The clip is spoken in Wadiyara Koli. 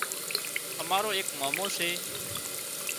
امارو ايڪ مامو سي